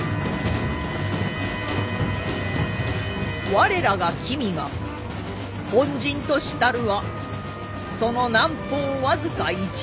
我らが君が本陣としたるはその南方僅か１里半。